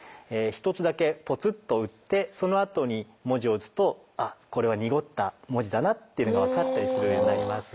１つだけぽつっと打ってそのあとに文字を打つとこれは濁った文字だなっていうのが分かったりするようになります。